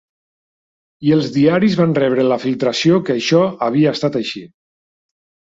I els diaris van rebre la filtració que això havia estat així.